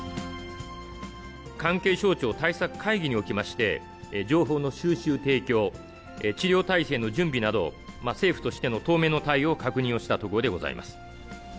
関係省庁対策会議におきまして、情報の収集・提供、治療体制の準備など、政府としての当面の対応を確認をしたところでございます。